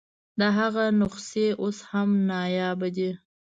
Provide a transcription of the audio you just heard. د هغه نسخې اوس هم نایابه دي.